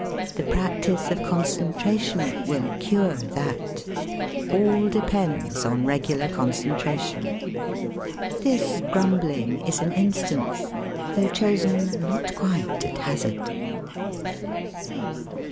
The practice of concentration will cure that. All depends on regular concentration. This grumbling is an instance, though chosen not quite at hazard.